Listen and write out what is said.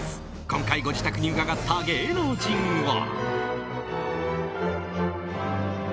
今回、ご自宅に伺った芸能人は。